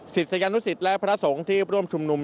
ศิษยานุสิตและพระสงฆ์ที่ร่วมชุมนุม